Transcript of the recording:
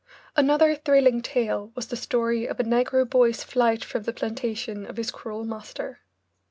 Another thrilling tale was the story of a negro boy's flight from the plantation of his cruel master.